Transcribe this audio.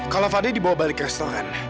kalo fadil dibawa balik ke restoran